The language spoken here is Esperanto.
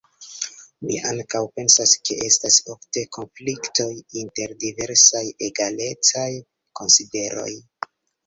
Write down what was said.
Mi ankaŭ pensas, ke estas ofte konfliktoj inter diversaj egalecaj konsideroj.